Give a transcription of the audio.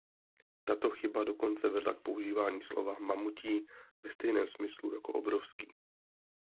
Tato chyba dokonce vedla k používání slova „mamutí“ ve stejném smyslu jako „obrovský“.